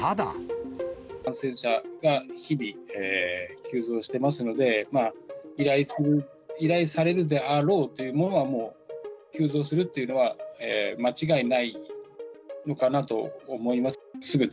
感染者が日々急増してますので、依頼されるであろうというものはもう、急増するっていうのは、間違いないのかなと思います。